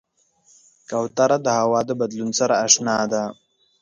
کوتره د هوا د بدلون سره اشنا ده.